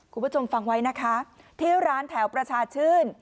คุณผู้ชมฟังไว้นะคะที่ร้านแถวประชาชื่น